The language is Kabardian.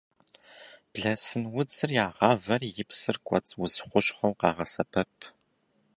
Блэсын удзыр ягъавэри и псыр кӏуэцӏ уз хущхъуэу къагъэсэбэп.